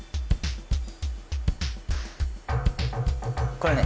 これね